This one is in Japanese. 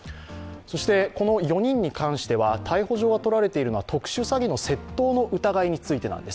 この４人に関しては逮捕状が取られているのが特殊詐欺の窃盗の疑いについてなんです。